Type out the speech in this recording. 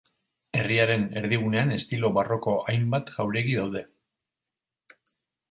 Herriaren erdigunean estilo barroko hainbat jauregi daude.